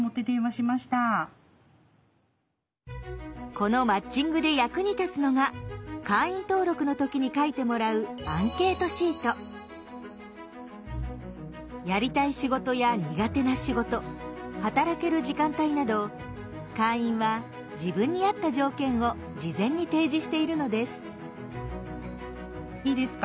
このマッチングで役に立つのが会員登録の時に書いてもらうやりたい仕事や苦手な仕事働ける時間帯など会員は自分に合った条件を事前に提示しているのです。